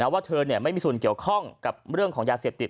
ว่าเธอไม่มีส่วนเกี่ยวข้องกับเรื่องของยาเสพติด